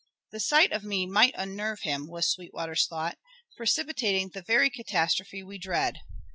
"The sight of me might unnerve him," was Sweetwater's thought, "precipitating the very catastrophe we dread.